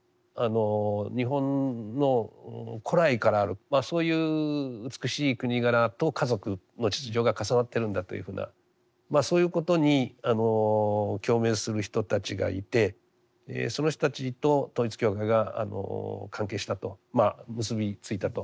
日本の古来からあるそういう美しい国柄と家族の秩序が重なってるんだというふうなそういうことに共鳴する人たちがいてその人たちと統一教会が関係したとまあ結び付いたと。